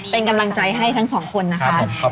เป็นกำลังใจให้ทั้งสองคนนะคะครับผมขอบคุณครับ